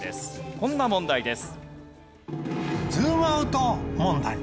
こんな問題です。